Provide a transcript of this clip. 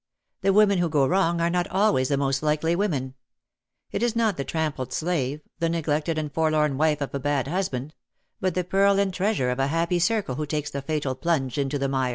The women who go wrong are not always the most likely women. It is not the trampled slave, the neglected and forlorn wife of a bad husband — but the pearl and treasure of a happy circle who takes the fatal plunge into the mire.